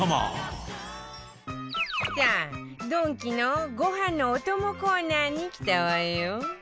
さあドンキのご飯のお供コーナーに来たわよ